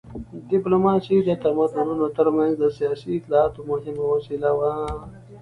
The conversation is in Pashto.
ډیپلوماسي د تمدنونو تر منځ د سیاسي اطلاعاتو مهمه وسیله وه